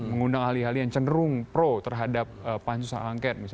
mengundang ahli ahli yang cenderung pro terhadap pak ansus hal angket